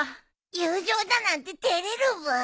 友情だなんて照れるブー。